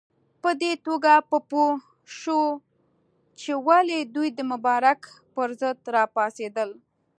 په دې توګه به پوه شو چې ولې دوی د مبارک پر ضد راپاڅېدل.